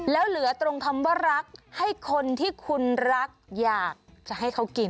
แล้วเหลือตรงคำว่ารักให้คนที่คุณรักอยากจะให้เขากิน